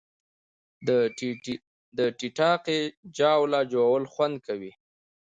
د ټیټاقې جاوله ژوول خوند کوي